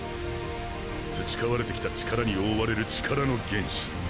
培われてきた力に覆われる力の原始。